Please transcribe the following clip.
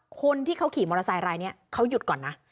คนที่เขาขี่มอเตอร์ไซค์รายนี้เขาหยุดก่อนนะ